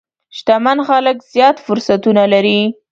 شتمن خلک زیات فرصتونه لري.